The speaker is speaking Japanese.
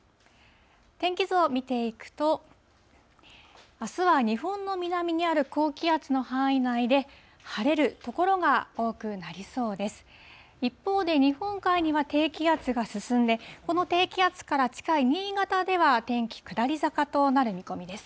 天気図を見ていくと、あすは日本の南にある高気圧の範囲内で、晴れる所が多くなりそうです。